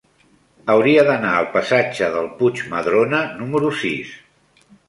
Hauria d'anar al passatge del Puig Madrona número sis.